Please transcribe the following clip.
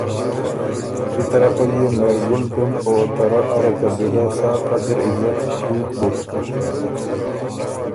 بی طرفه ليې مهرګل ډُم او ته رۀ اره قبیلۀ سا قدر عزت ڒُوک بُک